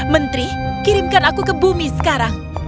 menteri kirimkan aku ke bumi sekarang